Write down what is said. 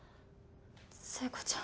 聖子ちゃん。